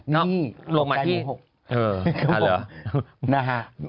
ตกลงป่านูกตัว